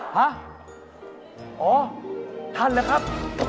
ฮะอ๋อท่านเหรอครับ